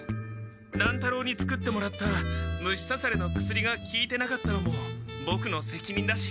乱太郎に作ってもらった虫さされの薬がきいてなかったのもボクのせきにんだし。